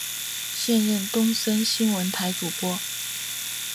现任东森新闻台主播。